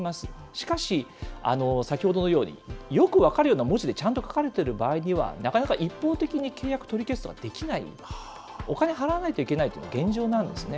しかし、先ほどのように、よく分かるような文字でちゃんと書かれてる場合には、なかなか一方的に契約取り消すのはできない、お金払わないといけないというのが現状なんですね。